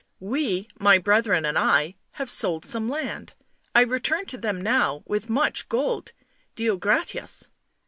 We, my brethren and I, have sold some land. I return to them now with much gold. Deo gratias."